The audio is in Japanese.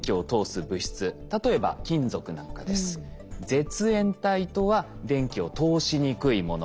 絶縁体とは電気を通しにくいもの。